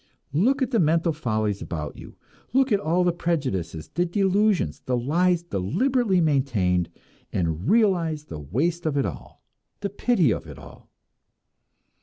Look at the mental follies about you! Look at the prejudices, the delusions, the lies deliberately maintained and realize the waste of it all, the pity of it all!